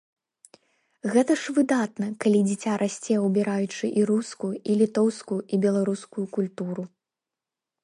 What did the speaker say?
Гэта ж выдатна, калі дзіця расце, убіраючы і рускую, і літоўскую, і беларускую культуру.